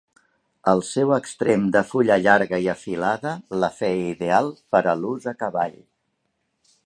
El seu extrem de fulla llarga i afilada la feia ideal per a l'ús a cavall.